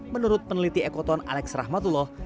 menurut peneliti ekoton alex rahmatullah